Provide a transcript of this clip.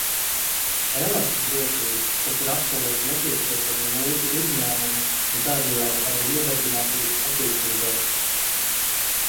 Elastdrošība, kas ir absolūti nepieciešama mūsu uzņēmumu un tādējādi arī nodarbinātības attīstībai.